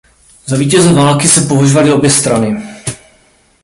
Za vítěze války se považovaly obě strany.